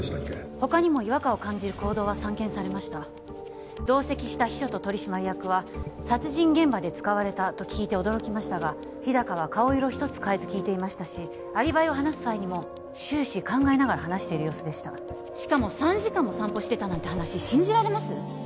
他にも違和感を感じる行動は散見されました同席した秘書と取締役は「殺人現場で使われた」と聞いて驚きましたが日高は顔色一つ変えず聞いていましたしアリバイを話す際にも終始考えながら話している様子でしたしかも３時間も散歩してたなんて話信じられます？